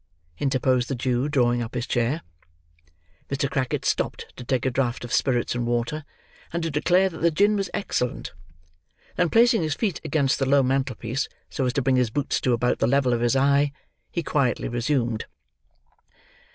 interposed the Jew, drawing up his chair. Mr. Crackit stopped to take a draught of spirits and water, and to declare that the gin was excellent; then placing his feet against the low mantelpiece, so as to bring his boots to about the level of his eye, he quietly resumed.